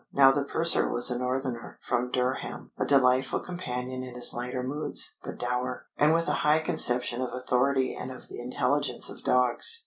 Now the purser was a Northerner, from Durham, a delightful companion in his lighter moods, but dour, and with a high conception of authority and of the intelligence of dogs.